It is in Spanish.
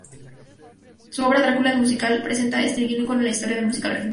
Su obra "Drácula, el musical" representa un ícono en la historia del musical argentino.